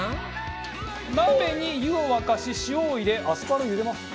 鍋に湯を沸かし塩を入れアスパラを茹でます。